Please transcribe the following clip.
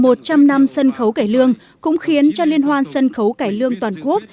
một trăm linh năm sân khấu cải lương cũng khiến cho liên hoan sân khấu cải lương toàn quốc